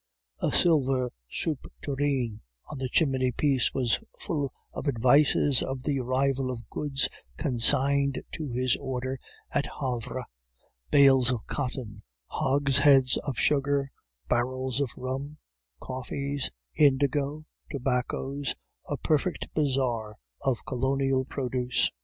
A silver soup tureen on the chimney piece was full of advices of the arrival of goods consigned to his order at Havre, bales of cotton, hogsheads of sugar, barrels of rum, coffees, indigo, tobaccos, a perfect bazaar of colonial produce.